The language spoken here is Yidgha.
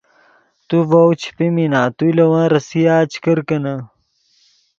تو ڤؤ چے پیمینا تو لے ون ریسیا چے کرکینے